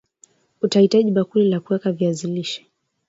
Utahitaji bakuli la kuweka viazi lishe